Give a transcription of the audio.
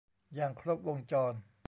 อย่างครบวงจร